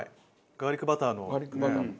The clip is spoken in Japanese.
ガーリックバター。